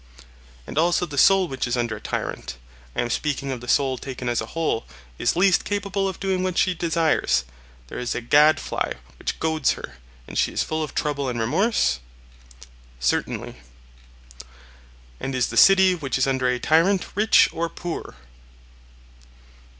And also the soul which is under a tyrant (I am speaking of the soul taken as a whole) is least capable of doing what she desires; there is a gadfly which goads her, and she is full of trouble and remorse? Certainly. And is the city which is under a tyrant rich or poor?